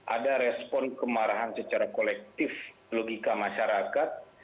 ada respon kemarahan secara kolektif logika masyarakat